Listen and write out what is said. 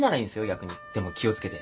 逆にでも気を付けて。